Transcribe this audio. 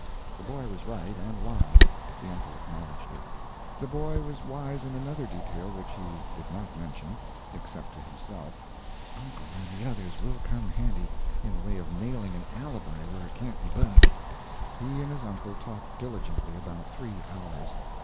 The boy was right, and wise the uncle acknowledged it. The boy was wise in another detail which he did not mention except to himself: "Uncle and the others will come handy in the way of nailing an alibi where it can't be budged." He and his uncle talked diligently about three hours.